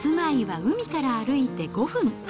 住まいは海から歩いて５分。